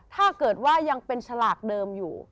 ถ้าเกิดว่ายังเป็นฉลากเดิมอยู่